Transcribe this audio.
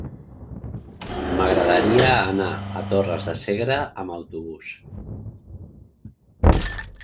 M'agradaria anar a Torres de Segre amb autobús.